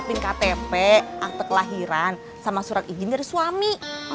gampang cuma siapin ktp akte kelahiran sama surat izin dari suami